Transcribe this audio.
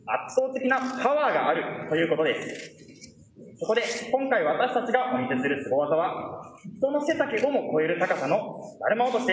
そこで今回私たちがお見せするスゴ技は人の背丈をも超える高さのだるま落としです。